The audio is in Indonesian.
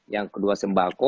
yang kedua sembako